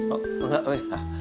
enggak enggak enggak